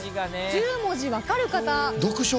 １０文字分かる方。